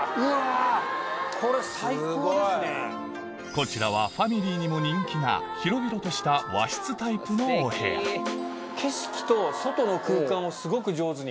こちらはファミリーにも人気な広々とした和室タイプのお部屋景色と外の空間をすごく上手に。